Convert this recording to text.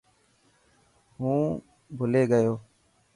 هون ڀلي گيو.